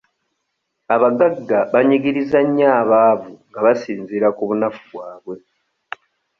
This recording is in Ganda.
Abagagga banyigiriza nnyo abaavu nga basinziira ku bunafu bwabwe.